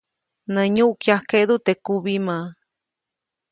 Nä nyuʼkyajkeʼdu teʼ kubimä.